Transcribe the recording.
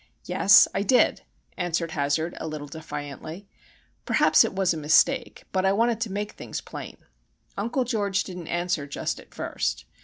"Yes, I did," answered Hazard, a little defiantly. "Perhaps it was a mistake, but I wanted to make things plain. Uncle George didn't answer just at first.